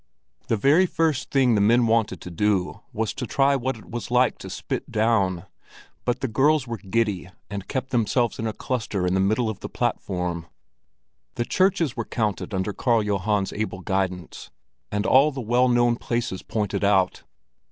The very first thing the men wanted to do was to try what it was like to spit down; but the girls were giddy and kept together in a cluster in the middle of the platform. The churches were counted under Karl Johan's able guidance, and all the well known places pointed out.